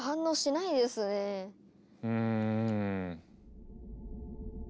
うん。